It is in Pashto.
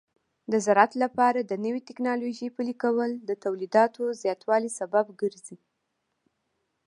د زراعت لپاره د نوې ټکنالوژۍ پلي کول د تولیداتو زیاتوالي سبب ګرځي.